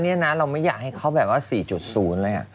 นี่นะเราไม่อยากให้เขาแบบว่า๔๐เลย